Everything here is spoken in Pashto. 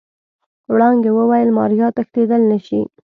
وړانګې وويل ماريا تښتېدل نشي.